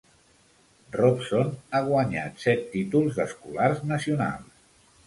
Robson ha guanyat set títols escolars nacionals.